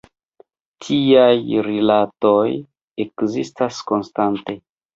Tiaj rilatoj ekzistas konstante.